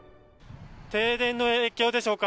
停電の影響でしょうか。